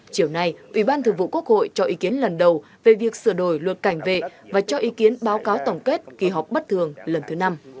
chiều nay ủy ban thường vụ quốc hội cho ý kiến lần đầu về việc sửa đổi luật cảnh vệ và cho ý kiến báo cáo tổng kết kỳ họp bất thường lần thứ năm